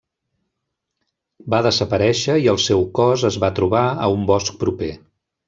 Va desaparèixer i el seu cos es va trobar a un bosc proper.